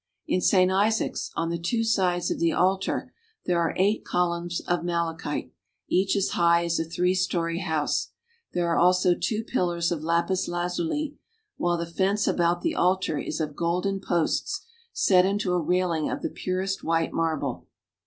In Saint Isaac's, on the two sides of the altar, there are eight columns of malachite, each us high as a three story house ; there are also two pillars of lapis lazuli, while the fence about the altar is of golden posts, set into a railing of the purest white marble.